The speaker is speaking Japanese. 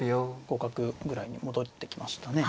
互角ぐらいに戻ってきましたね。